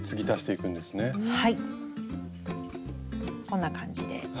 こんな感じで。